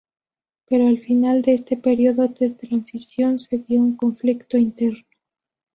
Pero al final de este periodo de transición se dio un conflicto interno.